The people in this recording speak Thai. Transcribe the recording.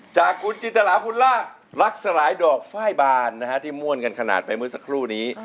จากคุณจินตราคุณลาบรักสลายดอกไฟล์บานที่ม่วนกันขนาดไปเมื่อสักครู่นี้